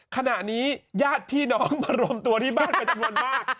ขณะนี้ญาติพี่น้องมารวมตัวที่บ้านเป็นจำนวนมาก